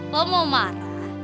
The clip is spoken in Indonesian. lo mau marah